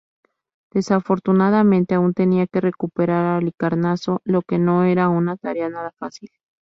Desafortunadamente, aún tenía que recuperar Halicarnaso, lo que no era una tarea nada fácil.